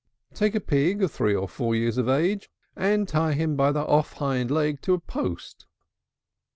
Take a pig three or four years of age, and tie him by the off hind leg to a post.